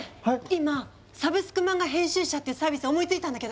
今「サブスクマンガ編集者」っていうサービス思いついたんだけど。